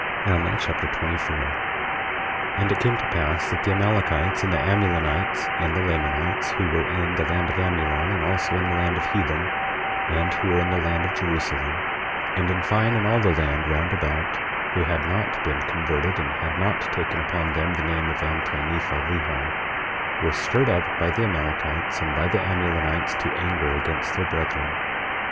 Alma Chapter 24 24:1 And it came to pass that the Amalekites and the Amulonites and the Lamanites who were in the land of Amulon, and also in the land of Helam, and who were in the land of Jerusalem, and in fine, in all the land round about, who had not been converted and had not taken upon them the name of Anti Nephi Lehi, were stirred up by the Amalekites and by the Amulonites to anger against their brethren.